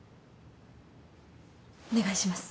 お願いします。